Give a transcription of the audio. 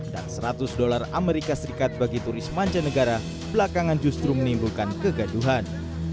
dan seratus dolar amerika serikat bagi turis mancanegara belakangan justru menimbulkan kegaduhan